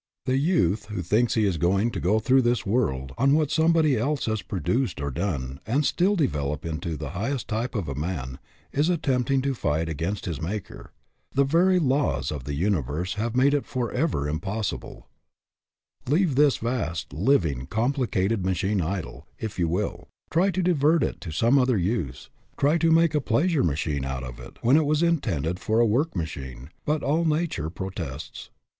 The youth who thinks he is going to go through this world on what somebody else has produced or done, and still develop into the highest type of a man, is attempting to fight against his Maker. The very laws of the uni verse have made it forever impossible. Leave 212 DOES THE WORLD OWE YOU? this vast, living, complicated machine idle, if you will, try to divert it to some other use, try to make a pleasure machine out of it when it was intended for a work machine, but all nature protests.